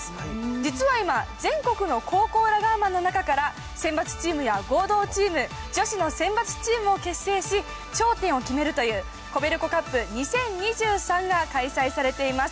実は今、全国の高校ラガーマンの中から、選抜チームや合同チーム、女子の選抜チームを結成し、頂点を決めるという、コベルコカップ２０２３が開催されています。